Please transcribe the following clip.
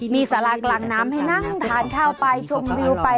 มีสารากลางน้ำให้นั่งทานข้าวไปชมวิวไป